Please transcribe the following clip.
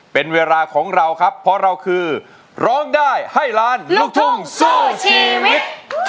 เป็นเวลาของเราครับเพราะเราคือร้องได้ให้ล้านลูกทุ่งสู้ชีวิต